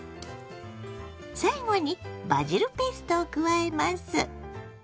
最後にバジルペーストを加えます。